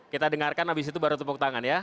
kita dengarkan abis itu baru tepuk tangan ya